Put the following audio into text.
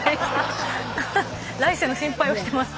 来世の心配をしてますね。